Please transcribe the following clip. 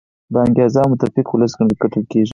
با انګیزه او متفق ولس ګټل کیږي.